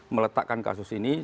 meletakkan kasus ini